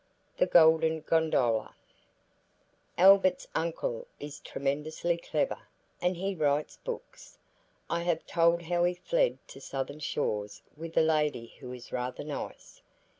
THE GOLDEN GONDOLA ALBERT'S uncle is tremendously clever, and he writes books. I have told how he fled to Southern shores with a lady who is rather nice.